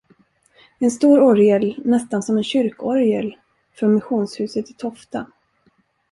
En stor orgel, nästan som en kyrkorgel, för missionshuset i Tofta.